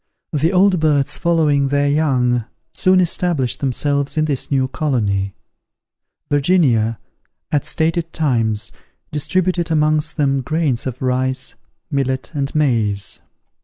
The old birds following their young, soon established themselves in this new colony. Virginia, at stated times, distributed amongst them grains of rice, millet, and maize.